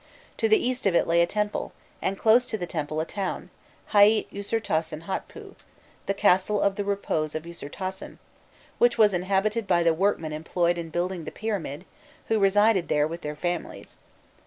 To the east of it lay a temple, and close to the temple a town, Haît Usirtasen Hotpû "the Castle of the Repose of Usirtasen" which was inhabited by the workmen employed in building the pyramid, who resided there with their families.